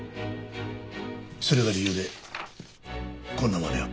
それが理由でこんなまねを？